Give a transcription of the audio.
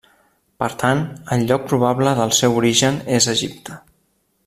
Per tant, el lloc probable del seu origen es Egipte.